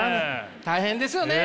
大変ですよね。